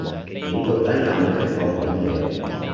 你到底有無聽我講野？